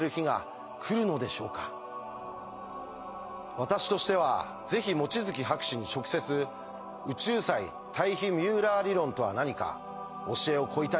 私としてはぜひ望月博士に直接「宇宙際タイヒミューラー理論」とは何か教えを請いたいと願っています。